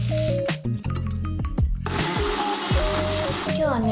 今日はね